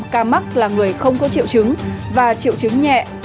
ca mắc là người không có triệu chứng và triệu chứng nhẹ